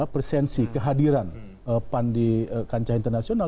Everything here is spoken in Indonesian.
presensi kehadiran pan di kancah internasional